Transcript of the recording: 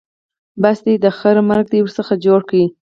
بس دی؛ د خره مرګ دې ورڅخه جوړ کړ.